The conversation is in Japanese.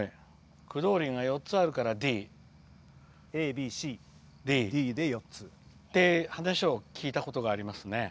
駆動輪が４つあるからＡ、Ｂ、Ｃ、Ｄで４つ。って話を聞いたことがあります。